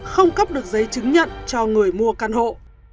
không cấp được giấy chứng nhận cho người mua căn hộ